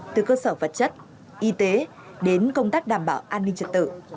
từ cơ sở vật chất y tế đến công tác đảm bảo an ninh trật tự